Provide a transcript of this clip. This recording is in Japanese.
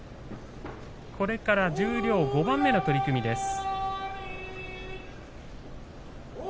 これから十両５番目の取組です。